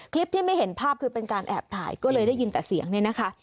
คลิปที่ไม่เห็นภาพคือเป็นการแอบถ่ายก็เลยได้ยินแต่เสียงเนี่ยนะคะ